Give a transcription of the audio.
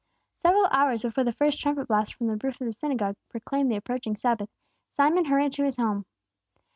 Several hours before the first trumpet blast from the roof of the synagogue proclaimed the approaching Sabbath, Simon hurried to his home.